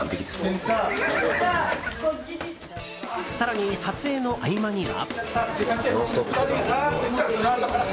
更に、撮影の合間には。